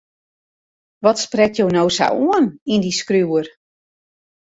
Wat sprekt jo no sa oan yn dy skriuwer?